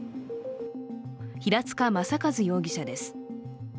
平塚雅一容疑者です。